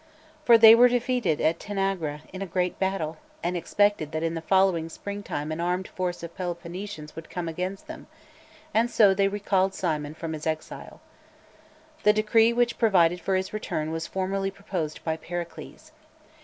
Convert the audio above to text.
For they were defeated at Tanagra in a great battle, and expected that in the following spring time an armed force.of Peloponnesians would come against. them, and so they recalled Cimon from his exile. The decree which provided for his return was formally proposed by Pericles.